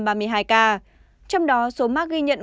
trong đó số mắc ghi nhận